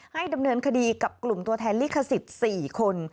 ดำเนินคดีกับกลุ่มตัวแทนลิขสิทธิ์๔คน